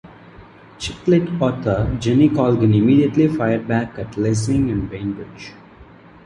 Chick lit author Jenny Colgan immediately fired back at Lessing and Bainbridge.